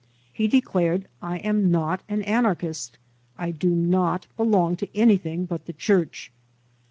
He declared : '1 am not an anarchist, I do not belong to anjrthing but the Church."